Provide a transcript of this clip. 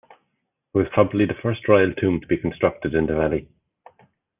It was probably the first royal tomb to be constructed in the valley.